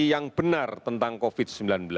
yang benar tentang covid sembilan belas